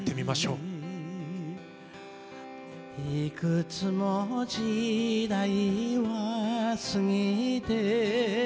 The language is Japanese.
「いくつも時代は過ぎて」